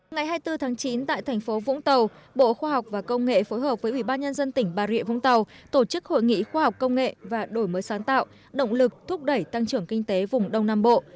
ngày hai mươi bốn tháng chín tại thành phố vũng tàu bộ khoa học và công nghệ phối hợp với ủy ban nhân dân tỉnh bà rịa vũng tàu tổ chức hội nghị khoa học công nghệ và đổi mới sáng tạo động lực thúc đẩy tăng trưởng kinh tế vùng đông nam bộ